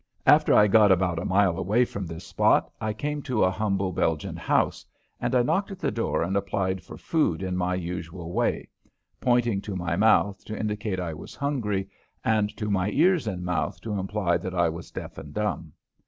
After I had got about a mile away from this spot I came to a humble Belgian house, and I knocked at the door and applied for food in my usual way, pointing to my mouth to indicate I was hungry and to my ears and mouth to imply that I was deaf and dumb.